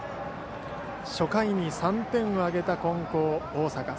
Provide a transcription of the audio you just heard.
初回に３点を挙げた金光大阪。